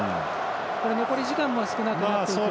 残り時間も少なくなっていくと。